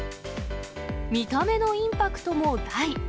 見た目のインパクトも大。